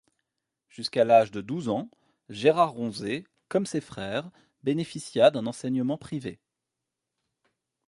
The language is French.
Jusqu'à l'âge de douze ans, Gérard Romsée, comme ses frères, bénéficia d'un enseignement privé.